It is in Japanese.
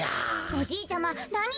おじいちゃまなに？